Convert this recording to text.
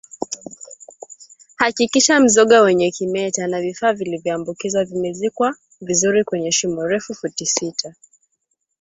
Hakikisha mzoga wenye kimeta na vifaa vilivyoambukizwa vimezikwa vizuri kwenye shimo refu futi sita